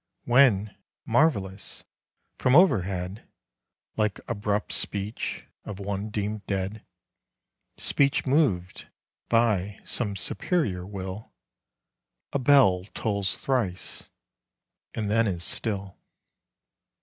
When, marvellous! from overhead, Like abrupt speech of one deemed dead, Speech moved by some Superior Will, A bell tolls thrice and then is still.